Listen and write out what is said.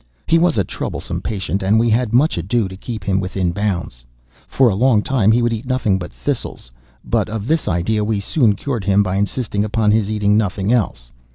He was a troublesome patient; and we had much ado to keep him within bounds. For a long time he would eat nothing but thistles; but of this idea we soon cured him by insisting upon his eating nothing else.